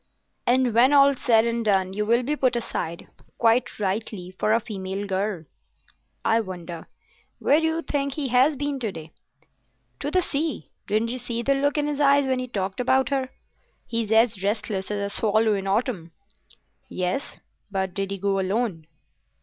"And when all's said and done, you will be put aside—quite rightly—for a female girl." "I wonder... Where do you think he has been to day?" "To the sea. Didn't you see the look in his eyes when he talked about her? He's as restless as a swallow in autumn." "Yes; but did he go alone?"